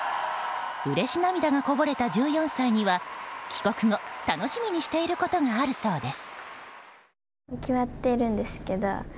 うれし涙がこぼれた１４歳には帰国後、楽しみにしていることがあるそうです。